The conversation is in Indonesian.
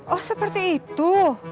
oh seperti itu